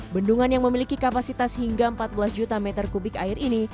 bendungan yang memiliki kapasitas hingga empat belas juta meter kubik air ini